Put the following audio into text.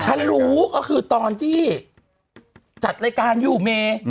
ฉันรู้ก็คือตอนที่จัดรายการอยู่เม